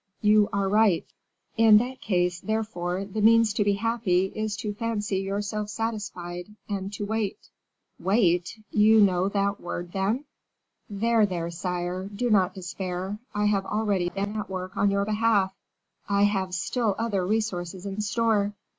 "You are right." "In that case, therefore, the means to be happy, is to fancy yourself satisfied, and to wait." "Wait! you know that word, then?" "There, there, sire do not despair: I have already been at work on your behalf I have still other resources in store."